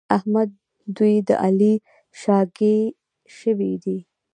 احمد دوی د علي شاګی شوي دي.